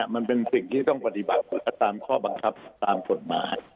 มันเป็นสิ่งที่ต้องปฏิบัติตามข้อบังคับตามกฎหมาย